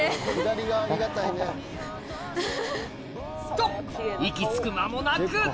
と息つく間もなく！